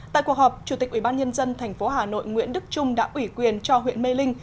tại cuộc họp chủ tịch ubnd tp hà nội nguyễn đức trung đã ủy quyền cho huyện mê linh